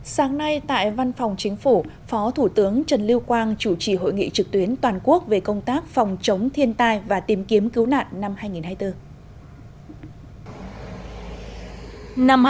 sáng nay tại văn phòng chính phủ phó thủ tướng trần lưu quang chủ trì hội nghị trực tuyến toàn quốc về công tác phòng chống thiên tai và tìm kiếm cứu nạn năm hai nghìn hai mươi bốn